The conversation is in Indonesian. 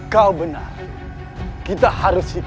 kau benar kita harus hidup